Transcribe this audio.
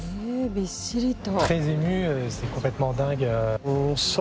びっしりと。